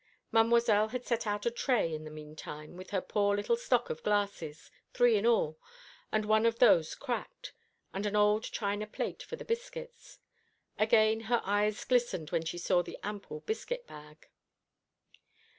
Mademoiselle had set out a tray in the mean time, with her poor little stock of glasses, three in all, and one of those cracked, and an old china plate for the biscuits. Again her eyes glistened when she saw the ample biscuit bag.